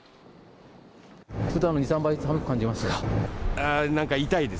ふだんの２、３倍寒く感じます。